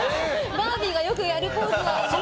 バービーがよくやるポーズなんですよ。